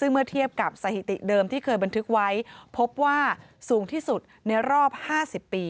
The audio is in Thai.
ซึ่งเมื่อเทียบกับสถิติเดิมที่เคยบันทึกไว้พบว่าสูงที่สุดในรอบ๕๐ปี